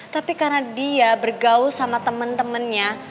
tapi karena dia bergaul sama temen temennya